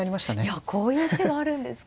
いやこういう手があるんですか。